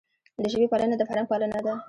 د ژبي پالنه د فرهنګ پالنه ده.